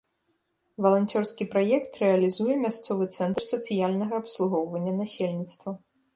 Валанцёрскі праект рэалізуе мясцовы цэнтр сацыяльнага абслугоўвання насельніцтва.